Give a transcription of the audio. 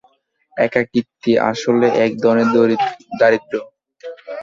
একাকীত্ব আসলে এক ধরনের দারিদ্র্য।